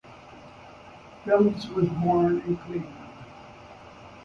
Phillips was born in Cleveland.